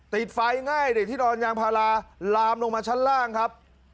ติดไฟง่ายดิที่นอนยางพาราลามลงมาชั้นล่างครับ